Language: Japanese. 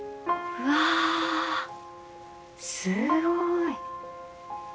うわすごい。